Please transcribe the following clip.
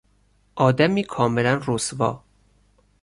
آدمی کاملا رسوا